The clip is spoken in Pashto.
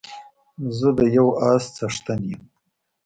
زه د يو اس څښتن يم